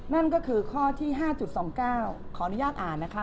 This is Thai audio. นั่นก็คือข้อที่ห้าจุดสองเก้าขออนุญาตอ่านนะคะ